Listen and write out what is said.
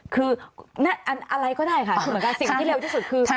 คืออะไรก็ได้ค่ะสิ่งที่เร็วที่สุดคือ